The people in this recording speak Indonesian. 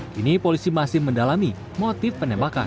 kini polisi masih mendalami motif penembakan